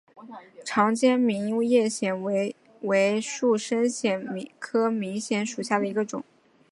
长尖明叶藓为树生藓科明叶藓属下的一个种。